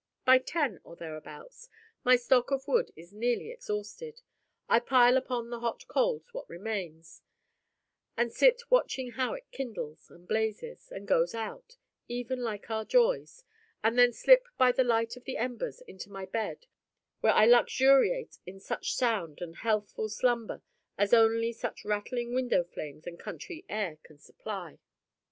By ten, or thereabouts, my stock of wood is nearly exhausted; I pile upon the hot coals what remains, and sit watching how it kindles, and blazes, and goes out even like our joys and then slip by the light of the embers into my bed, where I luxuriate in such sound and healthful slumber as only such rattling window frames and country air can supply.